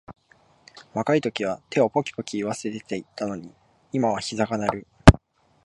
若いときは手をポキポキいわせていたのに、今はひざが鳴る